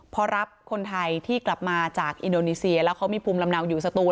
พอรับคนไทยที่กลับมาจากอินโดนีเซียแล้วเขามีภูมิลำเนาอยู่สตูน